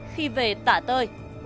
khi về tả tơi